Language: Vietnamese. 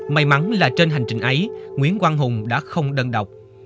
may mắn là trên hành trình ấy nguyễn quang hùng đã không đơn độc